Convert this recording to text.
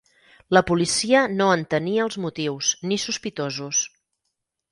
La policia no en tenia els motius ni sospitosos.